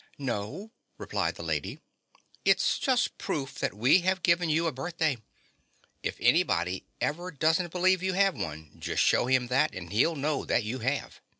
"No," replied the Lady, "it's just proof that we have given you a birthday. If anybody ever doesn't believe you have one, just show him that, and he'll know that you have."